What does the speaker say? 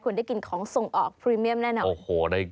คุณได้กินของส่งออกพรีเมียมแน่นอน